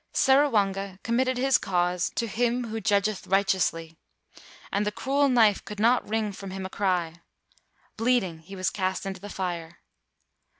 Seruwanga committed his cause to Him who judgeth righteously, and the cruel knife could not wring from him a cry ; bleed ing he was cast into the fire.